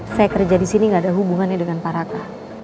saya kerja disini gak ada hubungannya dengan pak raka